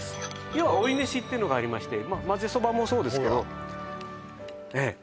要は追い飯がありましてまぜそばもそうですけどほらねえ